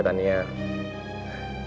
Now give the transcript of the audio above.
terima kasih rom